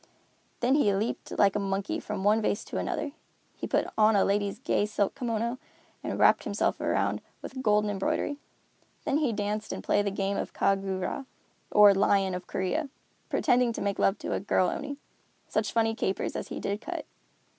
Then he leaped like a monkey from one vase to another. He put on a lady's gay silk kimono and wrapped himself around with golden embroidery. Then he danced and played the game of the Ka gu' ra, or Lion of Korea, pretending to make love to a girl Oni. Such funny capers as he did cut!